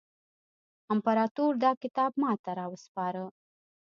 امپراطور دا کتاب ماته را وسپاره.